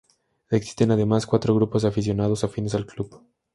Existen además, cuatro grupos de aficionados afines al club.